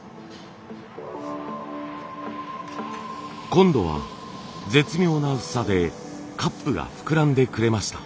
今度は絶妙な薄さでカップが膨らんでくれました。